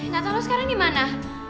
nathan lo sekarang di mana